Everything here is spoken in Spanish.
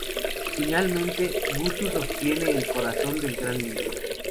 Finalmente, Guts obtiene el corazón del Gran Árbol.